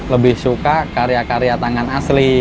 lebih suka karya karya tangan asli